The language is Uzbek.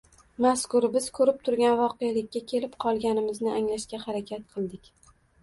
mazkur, biz ko‘rib turgan voqelikka kelib qolganimizni anglashga harakat qildik.